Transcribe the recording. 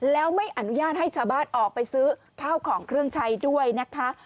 แล้วไม่อนุญาตให้ชาวบ้านออกไปซื้อข้าวของเครื่องใช้ด้วยนะคะ